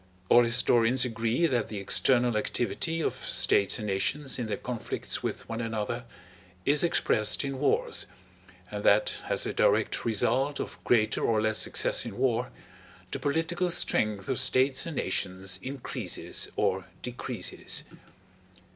All historians agree that the external activity of states and nations in their conflicts with one another is expressed in wars, and that as a direct result of greater or less success in war the political strength of states and nations increases or decreases.